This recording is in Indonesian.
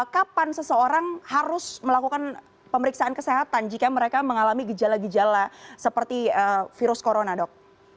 kapan seseorang harus melakukan pemeriksaan kesehatan jika mereka mengalami gejala gejala seperti virus corona dok